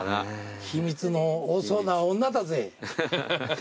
秘密の多そうな女だぜ。